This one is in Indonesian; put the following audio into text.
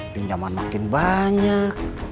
pinjaman makin banyak